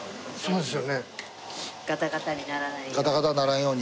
ガタガタにならないように。